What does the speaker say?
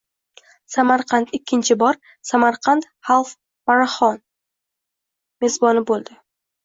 Samarqand ikkinchi bor “Samarkand Half Marathon” mezboni bo‘ldi